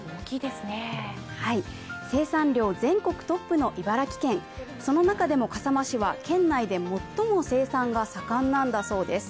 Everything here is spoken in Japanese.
はい、生産量全国トップの茨城県、その中でも笠間市は県内でも最も生産が盛んなんだそうです。